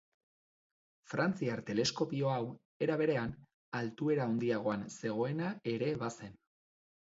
Frantziar teleskopio hau, era berean, altuera handiagoan zegoena ere bazen.